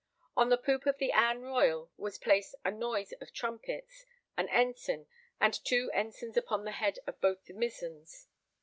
On the poop of the Ann Royal was placed a noise of trumpets, an ensign, and two ensigns upon the heads of both the mizens.